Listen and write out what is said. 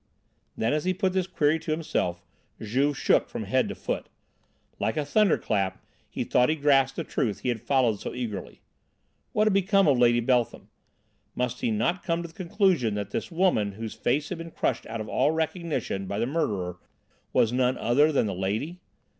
Then as he put this query to himself, Juve shook from head to foot. Like a thunderclap he thought he grasped the truth he had followed so eagerly. What had become of Lady Beltham? Must he not come to the conclusion that this woman whose face had been crushed out of all recognition by the murderer was none other than the lady?